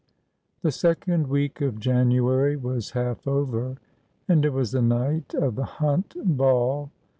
The second week of January was half over, and it was the night of the Hunt Ball.